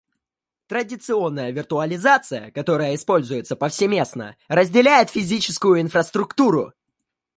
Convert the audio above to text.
Традиционная виртуализация, которая используется повсеместно, разделяет физическую инфраструктуру